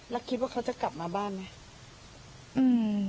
แล้วคิดว่าเขาจะกลับมาบ้านไหม